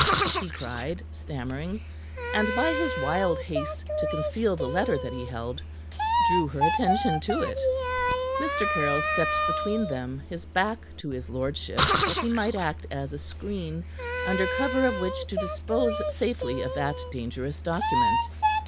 he cried, stammering, and by his wild haste to conceal the letter that he held, drew her attention to it. Mr. Caryll stepped between them, his back to his lordship, that he might act as a screen under cover of which to dispose safely of that dangerous document.